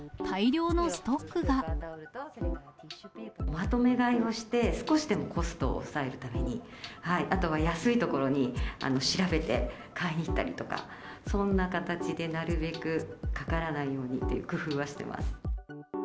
まとめ買いをして、少しでもコストを抑えるために、あとは安い所に調べて買いに行ったりとか、そんな形でなるべくかからないようにという工夫はしてます。